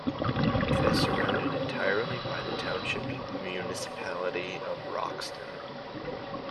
It is surrounded entirely by the township municipality of Roxton.